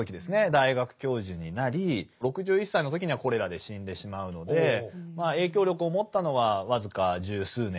大学教授になり６１歳の時にはコレラで死んでしまうので影響力を持ったのは僅か十数年ということになります。